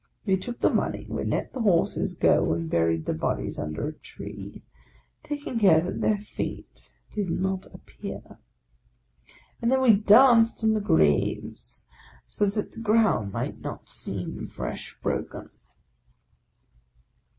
We took the money, we let the horses go, and buried the bodies under a tree, taking care that their feet did not appear; and then we danced on the graves, so that the ground might not seem fresh broken.